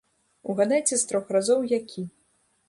Угадайце з трох разоў, які?